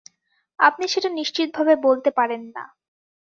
আপনি সেটা নিশ্চিতভাবে বলতে পারেন না।